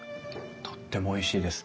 とってもおいしいです。